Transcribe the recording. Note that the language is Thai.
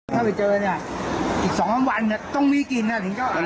ถ้าไม่เจอเนี้ยอีกสองพันวันเนี้ยต้องมีกินอ่ะถึงเจ้าอาหาร